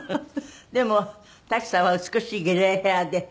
でもタキさんは美しいグレーヘアで。